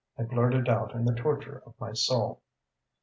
I blurted out in the torture of my soul.